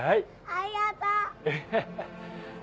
ありがとう。